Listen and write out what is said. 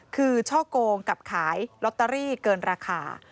คือช่อกงกับขายลอตเตอรี่เกินราคา